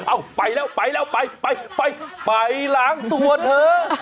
อ้าวไปแล้วไปล้างตัวเถอะ